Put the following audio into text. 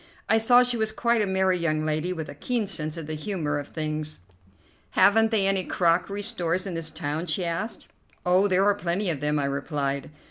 I saw she was quite a merry young lady, with a keen sense of the humour of things. "Haven't they any crockery stores in this town?" she asked. "Oh, there are plenty of them," I replied.